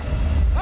あ！